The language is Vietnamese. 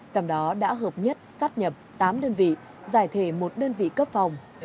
trong đó đã hợp nhất sát nhập tám đơn vị giải thể một đơn vị cấp phòng